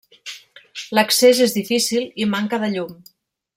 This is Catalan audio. L'accés és difícil i manca de llum.